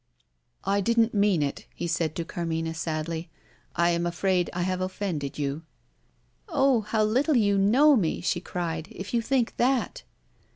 "I didn't mean it," he said to Carmina sadly; "I am afraid I have offended you." "Oh, how little you know me," she cried, "if you think that!"